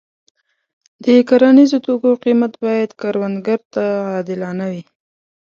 د کرنیزو توکو قیمت باید کروندګر ته عادلانه وي.